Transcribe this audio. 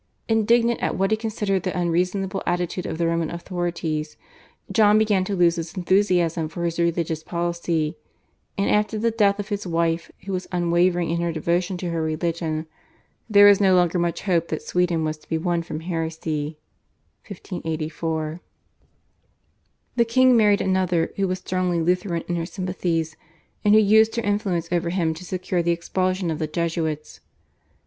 Indignant at what he considered the unreasonable attitude of the Roman authorities, John began to lose his enthusiasm for his religious policy, and after the death of his wife who was unwavering in her devotion to her religion, there was no longer much hope that Sweden was to be won from heresy (1584). The king married another who was strongly Lutheran in her sympathies, and who used her influence over him to secure the expulsion of the Jesuits.